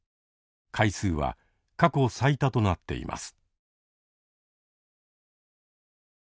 回数は過去最多となっています。